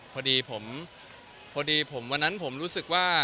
พอดีผมพอดีผมวันนั้นผมรู้สึกว่า